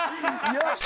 よし！